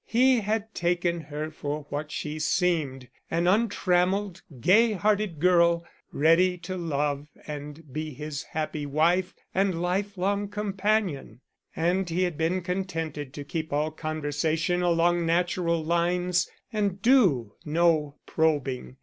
He had taken her for what she seemed an untrammeled, gay hearted girl, ready to love and be his happy wife and lifelong companion; and he had been contented to keep all conversation along natural lines and do no probing.